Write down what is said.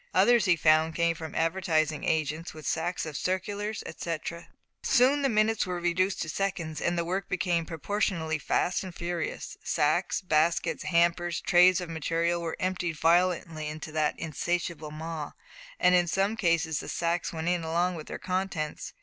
Others he found came from advertising agents with sacks of circulars, etcetera. Soon the minutes were reduced to seconds, and the work became proportionally fast and furious; sacks, baskets, hampers, trays of material were emptied violently into that insatiable maw, and in some cases the sacks went in along with their contents.